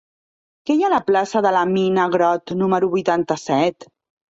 Què hi ha a la plaça de la Mina Grott número vuitanta-set?